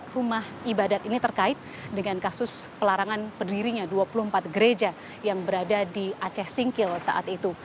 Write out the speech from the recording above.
rumah ibadat ini terkait dengan kasus pelarangan berdirinya dua puluh empat gereja yang berada di aceh singkil saat itu